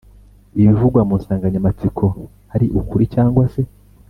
ibivugwa mu nsanganyamatsiko ari ukuri cyangwa se